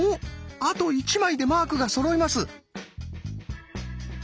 あと１枚でマークがそろいます。